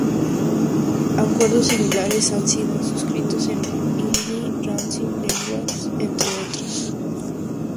Acuerdos similares han sido suscritos con la Indy Racing League, entre otras.